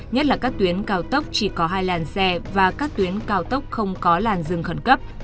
nhất là các tuyến cao tốc chỉ có hai làn xe và các tuyến cao tốc không có làn dừng khẩn cấp